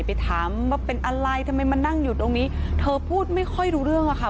ไปถามว่าเป็นอะไรทำไมมานั่งอยู่ตรงนี้เธอพูดไม่ค่อยรู้เรื่องอะค่ะ